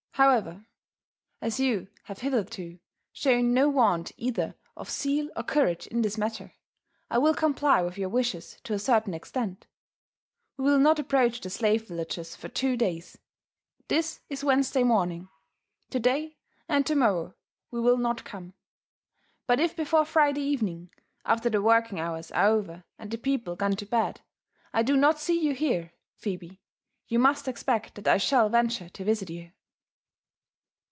However, as you have hitherto shown no want either of zeal or courage in this matter, I will comply with your wishes to a certain extent : we will not approach the slave villages 'for two days. This is Wednesday morning ; to day and to morrow we will not come : but if before Friday evening, after the working hours are over and the people gone to bed, I do not see you here,' Phebe, you must expect that I shall venture to visit you."